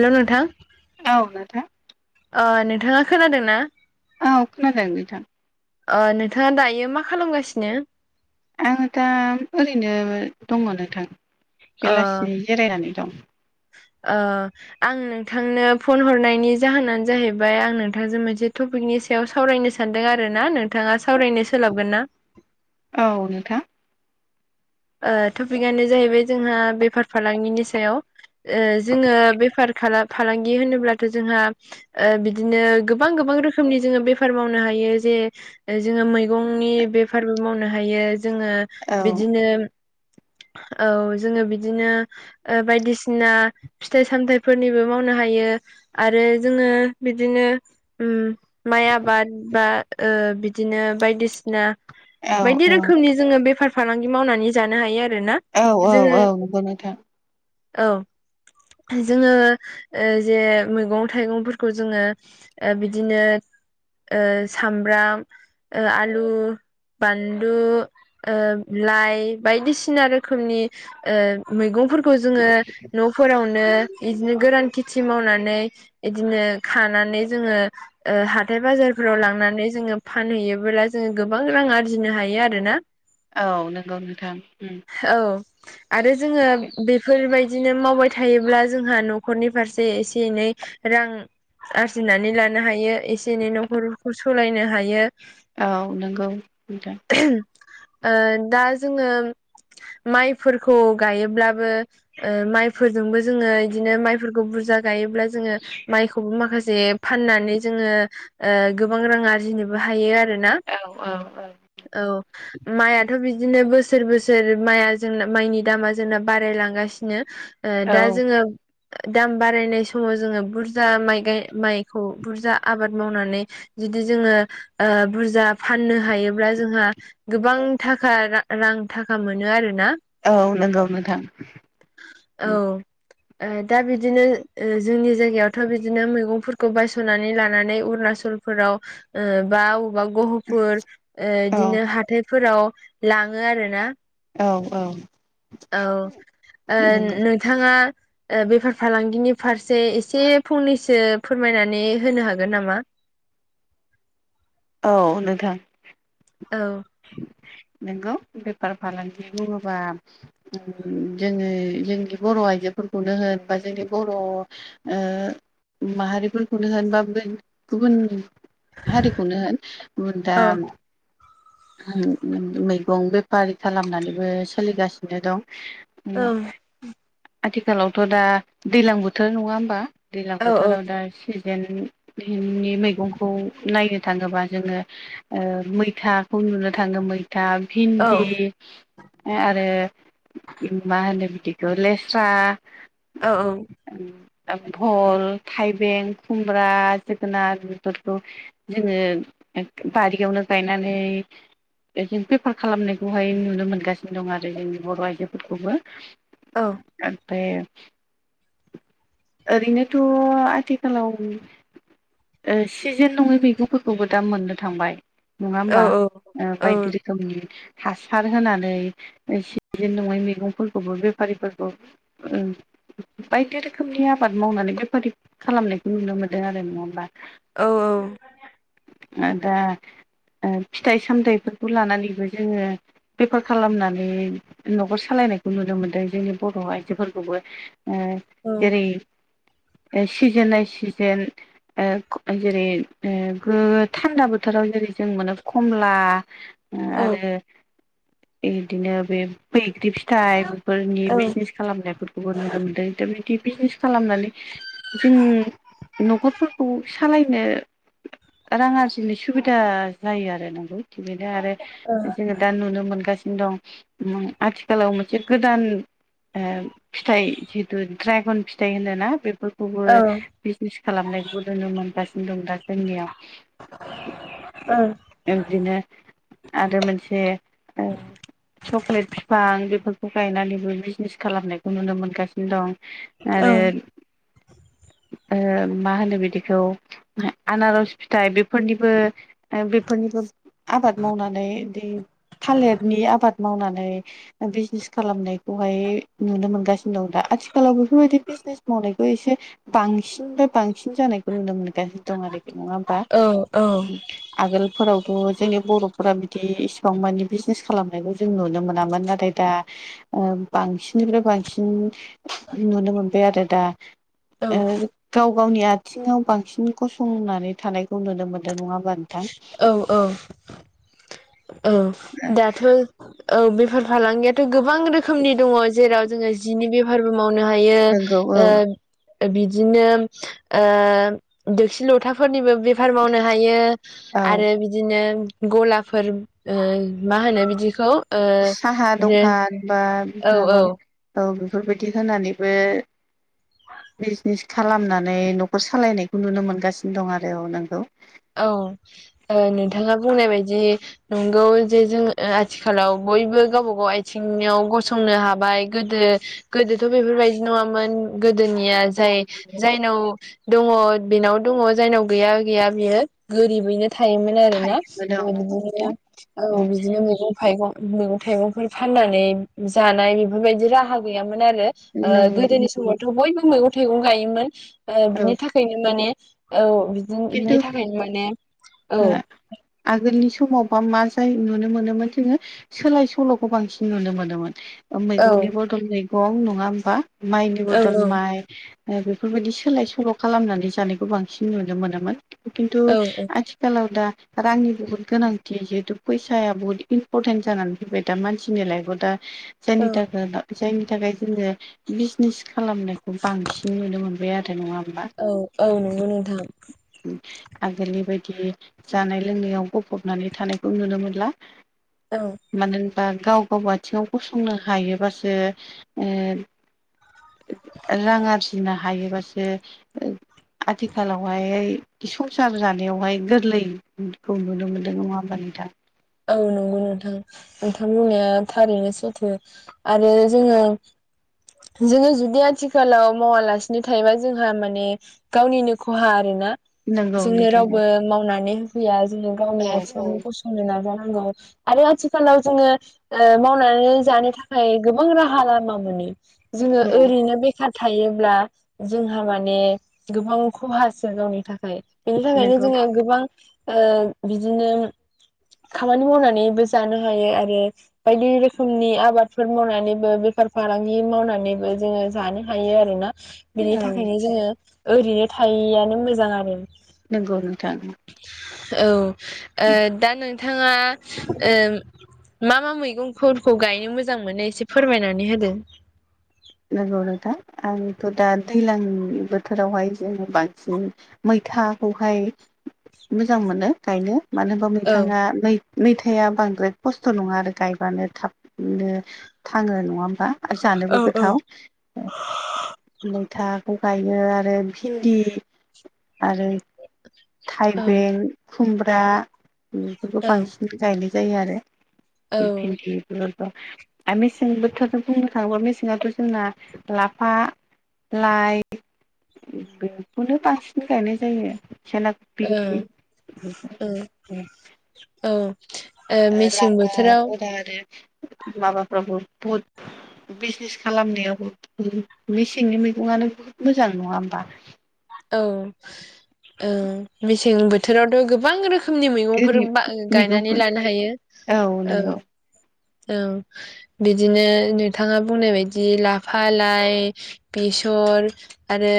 हेल' नोंथां औ नोंथां अ नोंथाङा खोनादों ना औ खोनादों बिथां नोंथाङा दायो मा खालामगासिनो आङो दा ओरैनो दङ नोंथां ओ बेलासि जिरायनानै दं ओ आं नोंथांनो फन हरनायनि जाहोनानो जाहैबाय आं नोंथांजों मोनसे टपिकनि सा सायाव सावरायनो सानदों आरो ना नोंथाङा सावरायनो सोलाबगोन ना औ नोंथां ओ टपिकआनो जाहैबाय जोंहा बेफार फालांगिनि सायाव ओ जोङो बेफार फालांगि होनोब्लाथ' जोंहा ओ बिदिनो गोबां गोबां रोखोमनि जोङो बेफार मावनो हायो जे जोङो मैगंनि बेफारिबो मावनो हायो जोङो औ बिदिनो औ जोङो बिदिनो बायदिसिना फिथाइ सामथाइफोरनिबो मावनो हायो आरो जोङो बिदिनो उम माइ आबाद बा ओ बिदिनो बायदिसिना औ बायदि रोखोमनि जोङो बेफार फालांगि मावनानै जानो हायो आरो ना औ औ औ नंगौ नोथां औ जोङो जे मैगं थाइगंफोरखौ जोङो ओ बिदिनो ओ सामब्राम ओ आलु बानलु लाइ बायदिसिना रोखोमनि मैगंफोरखौ जोङो न' फोरावनो बिदिनो गोरान खेथि मावनानै बिदिनो खानानै जोङो हाथाय बाजारफोराव लांनानै जोङो फानहैयोबोला जोङो गोबां रां आरजिनो हायो आरोना औ नंगौ नोंथां औ आरो जोङो बेफोरबायदि बिदिनो मावबाय थायोब्ला जोंहा न'खरनि फारसे एसे एनै रां आरजिनानै लानो हायो एसे एनै न'खरखौ सालायनो हायो औ नंगौ नोंथां दा जोङो माइफोरखौ गायोब्लाबो माइफोरजोंबो जोङो बिदिनो माइफोरखौ बुरजा गायोब्ला जोङो माइखौबो माखासे फाननानै जोङो ओ गोबां रां आरजिनोबो हायो आरोना औ-औ-औ औ मायाथ' बि बिदिनो बोसोर बोसोर माइया जोंना माइनि दामा जोंना बारायलांगासिनो ओ औ दा जोङो दाम बारायनाय समाव जोङो बुरजा माइ गाय माइखौ बुरजा आबाद मावनानै जुदि जोङो बुरजा फाननो हायोब्ला जोंहा गोबांथा थाखा रां थाखा मोनो आरोना औ नंगौ नोंथां औ ओ दा बिदिनो जोंनि जायगायावथ' बिदिनो मैगंफोरखौ बायस'नानै लानानै अरुणचल फोराव बा अबेवबा गहु फोर औ बिदिनो हाथायफोराव लाङो आरोना औ औ औ ओ नंगौ नोंथाङा बेफार फालांगिनि फारसे एसे फंनैसो फोरमायनानै होनो हागोन नामा औ नोंथां औ नोंगौ बेफार फालांगि बुङोबा जोङो जोंनि बर' आइजोफोरखौनो होन बा जोंनि बर' माहारिफोरखौनो होनबा गुबुन हारिखौनो होन दा मैगं बेफारि खालामनानैबो सोलिगासिनो दं आथिखालावथ' दा दैलां बोथोर नङा होमबा दैज्लां बोथोराव दा जेन नि मैगंखौ नायनो थाङोबा जोङो ओ मैथाखौ नुनो थाङो मै फथा भिन्दि आरो मा होनो बिदिखौ लेस स्रा औ-औ भल थाइबें खुमब्रा जोगोनार बेफोरखौ जोङो बारियावनो गायनानै जों पेफार खालामनायखौहाय नुनो मोनगासिनो दं आरो जोंनि बर' आइजोफोरखौबो औ ओमफ्राय ओरैनोथ' आथिखालाव सिजेन नङै मैगंफोरखौबो दा मोननो थांबाय नङा होमबा बायदि नि हासार होनानै सिजेन नङै मैगंफोरखौबो बेफारि [unintelligible] बायदि रोखोमनि आबाद मावनानै बेफारि खालामनायखौ नुनो मोनदों आरो नङा होमबा औ-औ दा फिथाइ सामथायाइफोरखौ लानानैबो जोंङो बेफार खालामनानै न'खर सालायनायखौ नुनो मोन्दों जोंनि बर' आइजोफोरखौबो ओ जेरै सिजोन बाइ सिजोन जेरै ओ थान्दा बोथोराव जेरै जों मोनो खमला आरो इदिनो बे बैग्रि फिथाइ बेफोरनि बिजनेस खालामनायफोरखौबो नुनो मोन्दों दा बिदि बिजनेस खालामनानै जों न'खरफोरखौ सालायनो रां आरजिनो सुबिदा जायो आरो नंगौ थिग बेनो आरो जोंङो दा नुनो मोनगासिनो दं। आथिखालाव मोनसे गोदान फिथाइ जिहेथु दाड्रायगन फिथाइ होनोना बे खौबो बिजनेस खालामनायखौबो नुनो मोनगासिनो दं दा जोंनियाव [inaudible] बिदिनो आरो मोनसे सक्लेट फिफां बेफोरखौ गायनानैबो बिजनेस खालामनायखौ नुनो मोनगासिनो दं। आरो मा होनो बिदिखौ आनारस फिथाइ बेफोरनिबो बेफोरनिबो आबाद मावनानै दै थालिरनि आबाद मावनानै बिजनेस खालामनायखौहाय नुनो मोनगासिनो दं। दा आथिखालाव बेफोरबायदि बिजनेस मावनायखौ एसे बांसिन बा बांसिन जानायखौ नुनो मोनगासिनो दं आरोखि नंङा होनबा आगोलफोरावथ' जोंनि बर'फोरा बिदि इसिबां माने बिजनेस खालामनायखौ जों नुनो मोनामोन नाथाय दा बांसिननिफ्राय बांसिन नुनो मोनबाय आरो दा औ गाव गावनि आथिंङाव बांसिन गसंनानै थानायखौ नुनो मोन्दों नंङा होमबा नोंथां औ औ औ दाथ' औ बेफार फालांगियाथ' गोबां रोखोमनि दंङो जेराव जोंङो जिनि बेफारबो मावनो हायो। नंगौ औ बिदिनो ओ दोसि लथाफोरनिबो बे बे मावनो हायो औ आरो बिदिनो गलाफोर मा होनो बिदिखौ साहा ओ दखान बा माबा औ बेफोरबायदि होनानैबो बिजनेस खालामनानै न'खर सालायनायखौ नुनो मोनगासिनो दं आरो औ नंगौ औ नोंथांङा बुंनाय बायदि नंगौ जे जोंङो आथिखालाव बयबो गावबा गाव आथिंङाव गसंनो हाबाय गोदो गोदोथ' बेफोरबायदि नंङामोन गोदोनिया औ जाय जायनाव दंङो बेनाव दंङो जायनाव गैया गैया बियो गोरिबैनो थायोमोन आरो ना थारैनो नंगौ बिदिनो नोंथां। औ बिदिनो मैगं थाइगं मैगं थाइगंफोर फाननानै जानाय बेफोरबायदि राहा गैयामोन आरो नंगौ गोदोनि समावथ' बयबो मैगं थाइगं गायोमोन बिनि औ थाखाय थाखायनो माने औ बिदि खिन्थु बिनि थाखायनो माने औ आगोलनि समावबा मा जायो नुनो मोनोमोन जोंङो सोलाय सोल'खौ बांसिन नुनो मोनोमोन औ मैगंनि बदल मैगं नंङा होमबा माइनि औ बदल माइ बेफोरबायदि सोलाय सोल' खालामनानै जानायखौ बांसिन नुनो मोनोमोन खिनथु औ आथिखालाव आथिखालाव दा रांनि बहुद गोनांथि जिहेतु फैसाया बहुत इम्परटेन्ट जानानै फैबाय दा मानसिनि लाइफआव दा औ जायनि थाखाय फैसायनि थाखाय जोंङो बिजनेस खालामनायखौ बांसिन नुनो मोनबाय आरो नंङा होमबा औ औ नंगौ नोंथां आगोलनिबायदि जानाय लोंनायाव गफबनानै थानायखौ नुनो न'? औ मानो होनबा गाव गाव आथिङाव गसंनो हायोबासो ओ रां आरजिनो हायोबासो आथिखालावहाय संसार जानायावहाय गोरलैखौ नुनो मोनो नङा होनबा नोंथां? औ नंगौ नोंथां नोंथांमोननाया थारैनो सैथो। आरो जोङो जोङो जुदि आथिखालाव मावालासिनो थायोबा जोंहा माने गावनिनो खहा आरोना। नंगौ जोंनो नोंथां रावबो मावनानै होफैया जोङो गावनि औ औ आथिङावनो गसंनो नाजानाय नांगौ आरो आथिखालाव जोङो मावनानै जानो थाखाय गोबां राहा लामा मोनो जोङो ओरैनो बे सि थायोब्ला जोंहा माने गोबां खहासो गावनि थाखाय बिनि थाखायनो नंगौ जोङो गोबां ओ बिदिनो खामानि मावनानैबो जानो हायो आरो बायदि रोखोमनि आबादफोर मावनानैबो बेफार फालांगि मावनानैबो जोङो जानो थायो आरोना बिनि औ थाखायनो जोङो ओरैनो थायआानो मोजां आरो। नोंगौ नोंथां औ दा नोंथाङा ओ मा मा मैगंफोरखौ गायनो मोजां मोनो एसे फोरमायनानै होदो। लोगो रोथा आंथ' दा दैज्लां बोथोरावहाय जोङो बांसिन मैथाखौहाय मोजां मोनो गायनो मानो होनबा औ मैथा नै मैथायाइा बांद्राय खस्थ' नङा आरो गायबानो थाबनो थाङो नङा होमबा? औ जानोबो औ गोथाव [inaudible] मैथाखौ गायो आरो भिन्दि आरो औ थाइबें खुमब्रा बेफोरखौ ओ बांसिन गायनाय जायो आरो ओ भिन्थि' आरो मेसें बोथोरजों बुंनो थाङोबा मेसें जनाथ' जोंना लाफा लाइ बेखौनो बांसिन गायनाय जायो खेला औ औ औ लाफा गदा आरो माबाफ्रावबो बहुद बिजनेस खालामनायावबो मेसेंनि मैगङानो बुहुत मोजां नङा होमबा? औ औ मेसें बोथोरावथ' गोबां रोखोम रोखोमनि मैगंफोर ओरै गायनानै मैगंखौ लानो हायो औ औ बिदिनो नोंथाङा बुंनाय बायदि लाफा लाइ बेसर आरो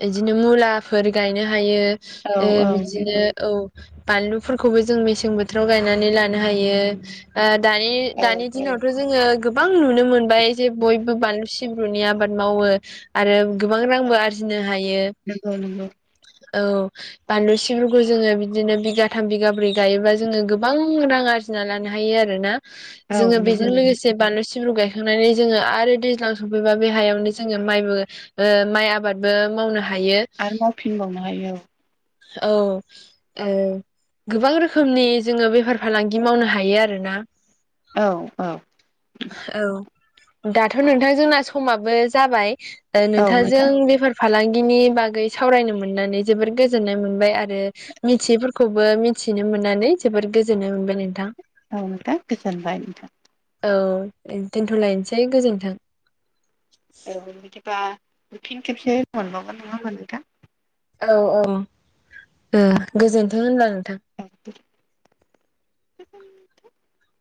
बिदिनो मुलाफोर गायनो हायो औ ओ औ बिदिनो औ बानलुफोरखौबो जों मेसें बोथोराव गायनानै लानो हायो। दानि औ दानि दिनावथ' जोङो गोबां नुनो मोनबाय जे बयबो बानलु सिब्रुनि आबाद मावो। आरो गोबां रांबो औ आरजिनो हायो नंगौ नंगौ औ बानलुसिफोरखौ जोङो बिदिनो बिगाथाम बिगाब्रै गायोबा जोङो गोबां रां आर फ लानो हायो आरोोना जोङो औ बेजों नंगौ लोगोसे बानलु सिब्रु गाय थांनानै जोङो आरो दैज्लां सफैबा बे हायावनो जोङो माइबो ओ माइ आबाद ओ बुंनो मावनो हायो। आरो मावफिनबावनो हायो। औ गोबां रोखोमनि जोङो बेफार फालांगि मावनो हायो आरोना औ औ औ दाथ' नोंथां जोंना समाबो जाबाय औ नोंथांजों नोंथां बेफार फालांगिनि बागै सावरायनो मोननानै जोबोोर गोजोननाय मोनबाय आरो मिथियैफोरखौबो मिथिनो मोननानै जोबोद गोजोननाय मोनबाय नोंथां औ नोंथां गोजोनबाय नोंथां औ दोनथ'लायनोसै गोजोनथों औ बिदिबा फिन खेबसे मोनबावगोन नङा मोनै दा औ औ गोजोनथों होनब्ला नोंथां [unintelligible]